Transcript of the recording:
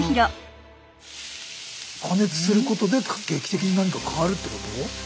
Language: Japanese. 加熱することで劇的に何か変わるってこと？